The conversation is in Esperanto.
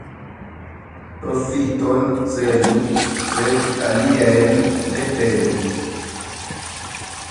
Profiton celu, sed aliajn ne pelu.